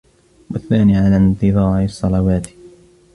وَالثَّانِي عَلَى انْتِظَارِ الصَّلَوَاتِ